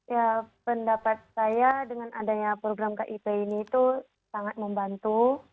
ya pendapat saya dengan adanya program kip ini itu sangat membantu